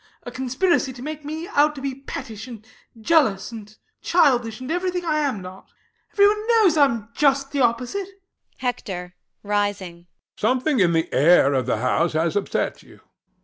A conspiracy to make me out to be pettish and jealous and childish and everything I am not. Everyone knows I am just the opposite. HECTOR [rising]. Something in the air of the house has upset you.